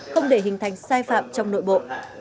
không để hình thành sai phạm trong nội bộ